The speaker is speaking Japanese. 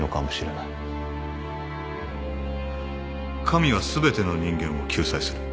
神は全ての人間を救済する。